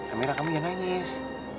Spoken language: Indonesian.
amira kamu jangan nangis